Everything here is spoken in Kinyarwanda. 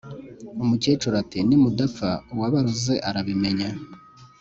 Umukecuru ati"nimudapfa uwabaroze arabimenya